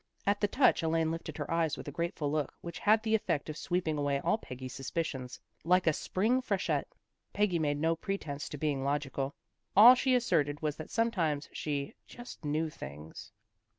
At the touch Elaine lifted her eyes with a grateful look which had the effect of sweeping away all Peggy's suspicions, like a spring freshet. Peggy made no pretence to being logical. All she asserted was that sometimes she " just knew things."